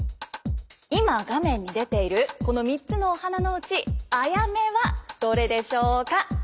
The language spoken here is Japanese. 今画面に出ているこの３つのお花のうちアヤメはどれでしょうか？